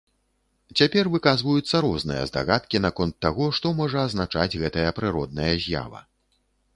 Цяпер выказваюцца розныя здагадкі наконт таго, што можа азначаць гэтая прыродная з'ява.